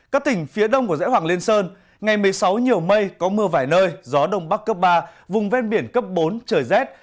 các tỉnh phía đông của dãy hoàng liên sơn ngày một mươi sáu nhiều mây có mưa vài nơi gió đông bắc cấp ba vùng ven biển cấp bốn trời rét